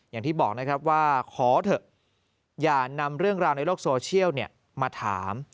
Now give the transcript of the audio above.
อย่างที่บอกนะครับว่าขอเถอะอย่านำเรื่องราวในโลกโซเชียลมาถาม